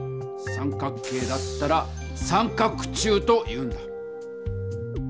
三角形だったら「三角柱」というんだ。